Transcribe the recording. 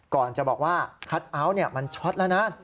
ก่อนจะบอกว่าคัทเอาท์มันช็อตแล้วนะ